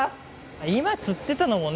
今釣ってたのもね